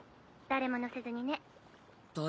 誰も乗せずに？